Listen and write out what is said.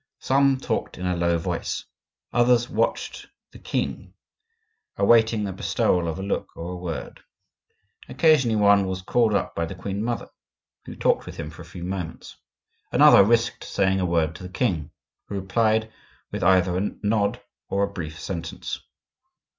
Some talked in a low voice; others watched the king, awaiting the bestowal of a look or a word. Occasionally one was called up by the queen mother, who talked with him for a few moments; another risked saying a word to the king, who replied with either a nod or a brief sentence.